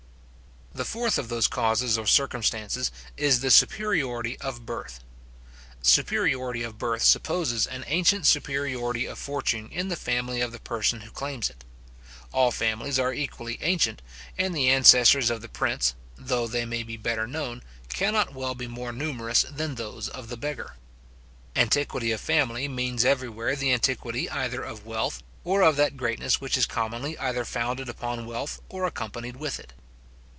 The fourth of those causes or circumstances, is the superiority of birth. Superiority of birth supposes an ancient superiority of fortune in the family of the person who claims it. All families are equally ancient; and the ancestors of the prince, though they may be better known, cannot well be more numerous than those of the beggar. Antiquity of family means everywhere the antiquity either of wealth, or of that greatness which is commonly either founded upon wealth, or accompanied with it.